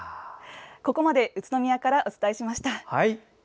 ここまで宇都宮からお伝えしました。